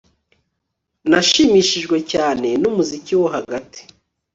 Nashimishijwe cyane numuziki wo hagati